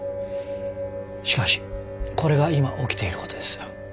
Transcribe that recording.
しかしこれが今起きていることです。